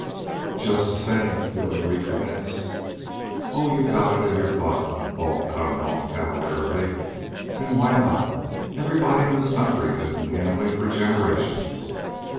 "Just the same " Billy recommenced. "Oh, you've got it in your blood," Hall cut him off cavalierly. "And why not? Everybody in this country has been gambling for generations.